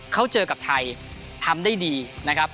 เขาเจอกับไทยทำได้ดีนะครับ